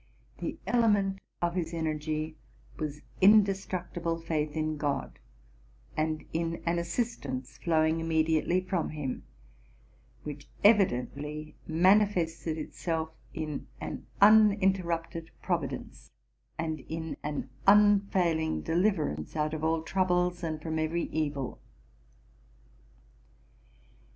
The element of his energy was in destructible faith in God, and in an assistance flowing imme diately from him, which evidently manifested itself in an uninterrupted providence, and in an unfailing deliverance out of all troubles and from every evil.